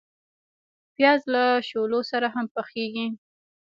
پیاز له شولو سره هم پخیږي